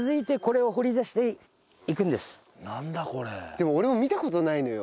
でも俺も見た事ないのよ。